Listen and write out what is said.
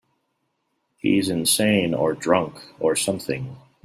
He's insane or drunk or something.